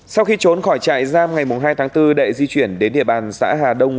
sau khi trốn khỏi trại giam ngày hai tháng bốn đệ di chuyển đến địa bàn xã hà đông